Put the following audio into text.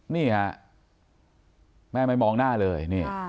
นี่ฮะแม่ไม่มองหน้าเลย